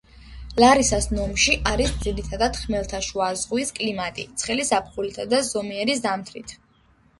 ლარისას ნომში არის ძირითადად ხმელთაშუა ზღვის კლიმატი, ცხელი ზაფხულითა და ზომიერი ზამთრით.